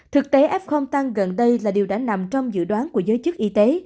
thực tế f tăng gần đây là điều đã nằm trong dự đoán của giới chức y tế